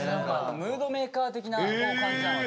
ムードメーカー的な感じなので。